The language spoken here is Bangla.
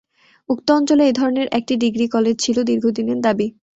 উক্ত অঞ্চলে এই ধরনের একটি ডিগ্রি কলেজ ছিল দীর্ঘদিনের দাবি।